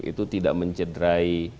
itu tidak mencederai